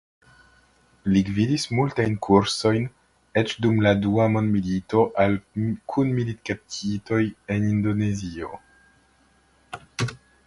Li gvidis multajn kursojn, eĉ dum la dua mondmilito al kun-militkaptitoj en Indonezio.